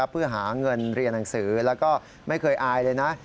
เพื่อหาเงินเรียนหนังสือแล้วก็ไม่เคยอายเลยนะ